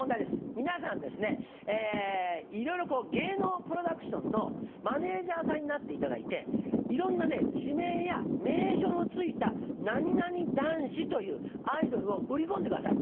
皆さんですね、いろいろこう、芸能プロダクションのマネージャーさんになっていただいて、いろんなね、地名や名所のついた何何男子という、アイドルを売り込んでください。